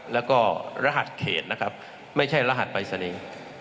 แล้วก็รหัสเขตนะครับไม่ใช่รหัสปรายศนีย์